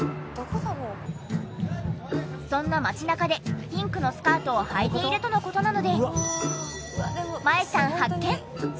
そんな街中でピンクのスカートをはいているとの事なので。